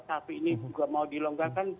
kalau level satu ini juga mau dilonggarkan